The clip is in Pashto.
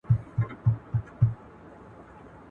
حکومت بايد د ټولني خدمت وکړي.